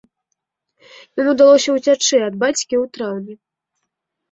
Ім удалося ўцячы ад бацькі ў траўні.